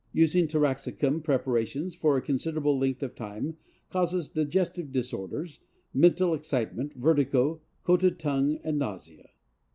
Using taraxacum preparations for a considerable length of time causes digestive disorders, mental excitement, vertigo, coated tongue and nausea.